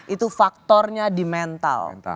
itu faktornya di mental